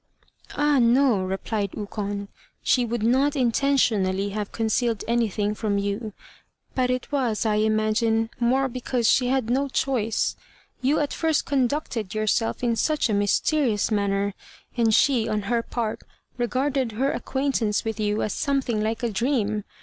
"Ah! no," replied Ukon; "she would not intentionally have concealed anything from you; but it was, I imagine, more because she had no choice. You at first conducted yourself in such a mysterious manner; and she, on her part, regarded her acquaintance with you as something like a dream.